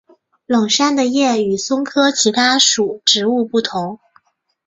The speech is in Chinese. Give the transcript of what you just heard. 冷杉的叶与松科其他属植物不同。